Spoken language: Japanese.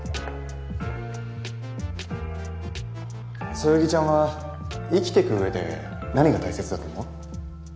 そよぎちゃんは生きてく上で何が大切だと思う？